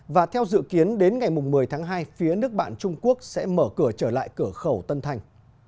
và theo dự kiến đến ngày một mươi tháng hai phía nước bạn trung quốc sẽ mở cửa trở lại cửa khẩu tân thanh